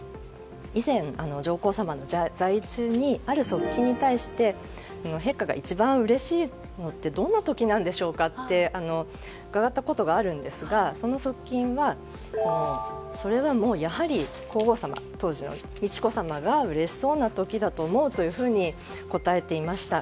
以前、上皇さまの在位中にある側近に対して陛下が一番うれしいのってどんな時なんでしょうかって伺ったことがあるんですがその側近はそれはやはり皇后さま当時の美智子さまがうれしそうな時だと思うと答えていました。